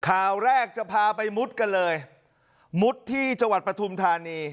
ข่าวแรกจะพาไปมุดกันเลยมุดที่จังหวัดปฐุมธานี